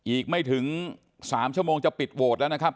อีกไม่ถึง๓ชั่วโมงจะปิดโหวตแล้วนะครับ